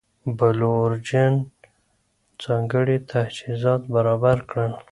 بلو اوریجن ځانګړي تجهیزات برابر کړل.